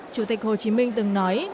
chủ tịch hồ chí minh từng nói